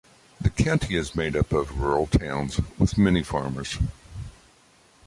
The county is made up of rural towns with many farmers.